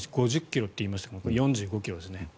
私、５０ｋｍって言いましたけど４５ｋｍですね。